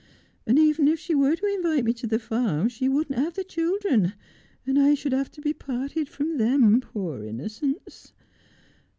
And even if she were to invite me to the farm she wouldn't have the children, and I should have to be parted from them, poor innocents.'